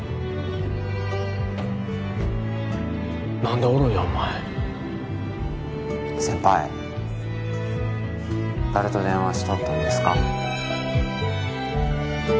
何でおるんやお前先輩誰と電話しとったんですか？